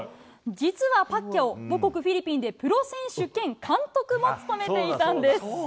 実はパッキャオ、母国、フィリピンでプロ選手兼監督も務めていたんです。